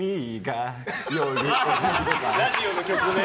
ラジオの曲ね。